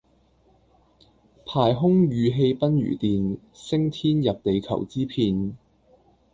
排空馭氣奔如電，升天入地求之遍。